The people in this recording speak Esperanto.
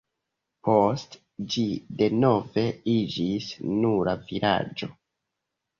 Poste ĝi denove iĝis nura vilaĝo.